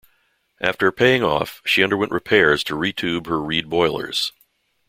After paying off, she underwent repairs to re-tube her Reed boilers.